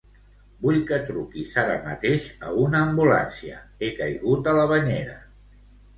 Vull que truquis ara mateix a una ambulància; he caigut a la banyera.